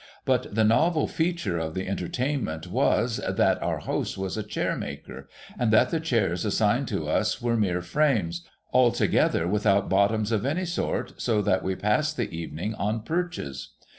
But the novel feature of the entertainment was, that our host was a chair maker, and that the chairs assigned to us were mere frames, altogether without bottoms of any sort; so that we passed the evening on perches.